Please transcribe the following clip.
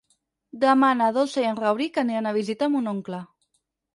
Demà na Dolça i en Rauric aniran a visitar mon oncle.